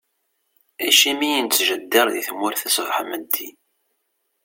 Acimi i nettjeddir di tmurt-a ṣbeḥ meddi?